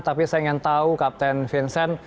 tapi saya ingin tahu kapten vincent